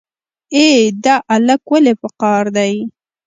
ای دا الک ولې په قار دی.